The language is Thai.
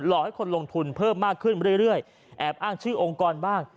ให้คนลงทุนเพิ่มมากขึ้นเรื่อยแอบอ้างชื่อองค์กรบ้าง